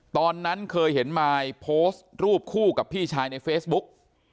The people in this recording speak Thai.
ตอนนั้นเคยเห็นมายโพสต์รูปคู่กับพี่ชายในเฟซบุ๊ก